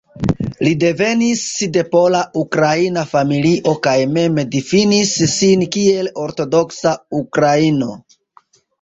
Li devenis de pola-ukraina familio kaj mem difinis sin kiel "ortodoksa ukraino".